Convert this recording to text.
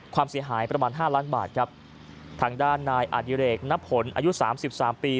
ความเสียหายประมาณ๕ล้านบาทครับทางด้านนายอาธิเรกนับผลอายุ๓๓ปี